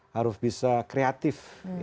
harus bisa kreatif